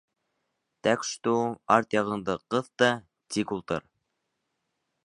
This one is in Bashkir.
Тәк шту, арт яғыңды ҡыҫ та тик ултыр!